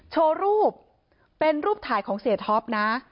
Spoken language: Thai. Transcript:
โชว์รูปเป็นรูปถ่ายของเสียท็อปนะ